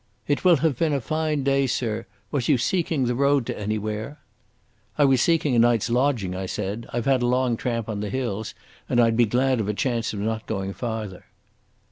"It will haf been a fine day, sir. Wass you seeking the road to anywhere?" "I was seeking a night's lodging," I said. "I've had a long tramp on the hills, and I'd be glad of a chance of not going farther."